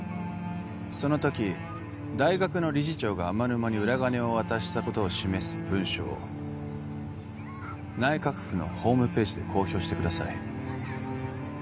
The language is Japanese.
その時大学の理事長が天沼に裏金を渡したことを示す文書を内閣府のホームページで公表してください